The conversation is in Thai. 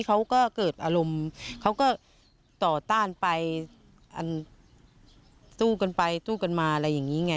เขาก็เกิดอารมณ์เขาก็ต่อต้านไปอันสู้กันไปสู้กันมาอะไรอย่างนี้ไง